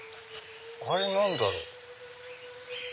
あれ何だろう？